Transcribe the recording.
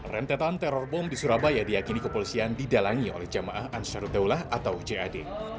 rentetan teror bom di surabaya diakini kepolisian didalangi oleh jamaah ansarud daulah atau jad